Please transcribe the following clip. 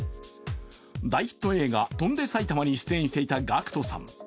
大ヒット映画「翔んで埼玉」に出演していたＧＡＣＫＴさん。